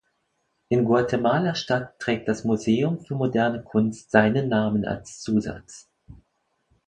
In Guatemala-Stadt trägt das Museum für moderne Kunst seinen Namen als Zusatz.